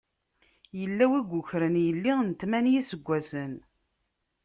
Yella win yukren yelli n tmanya n yiseggasen.